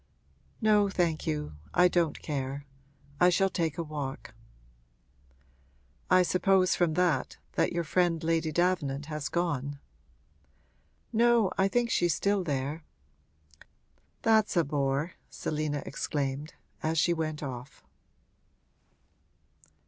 'No, thank you, I don't care I shall take a walk.' 'I suppose, from that, that your friend Lady Davenant has gone.' 'No, I think she is still there.' 'That's a bore!' Selina exclaimed, as she went off.